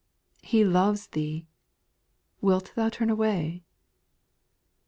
He loves thee ! Wilt thou turn away